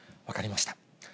分かりました。